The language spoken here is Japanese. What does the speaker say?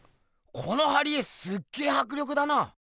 この貼り絵すっげぇはくりょくだな！